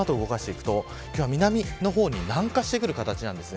今日は南の方に南下してくる形です。